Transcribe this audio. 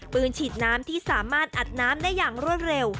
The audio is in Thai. ฉีดน้ำที่สามารถอัดน้ำได้อย่างรวดเร็ว